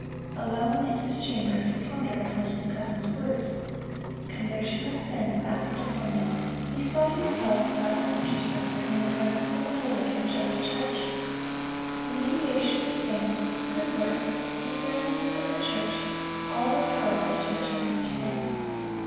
Alone in his chamber he pondered upon his cousin's words. Conviction of sin fastened upon him; he saw himself, without an intercessor, in the presence of a holy and just Judge. The mediation of saints, good works, the ceremonies of the church, all were powerless to atone for sin.